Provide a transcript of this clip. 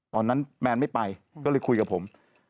แมนไม่ไปก็เลยคุยกับผม